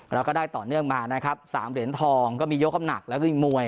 แล้วก็ได้ต่อเนื่องมานะครับ๓เหรียญทองก็มียกคำหนักแล้วก็มีมวย